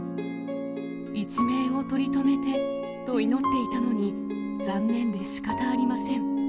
一命を取り留めてと祈っていたのに、残念でしかたありません。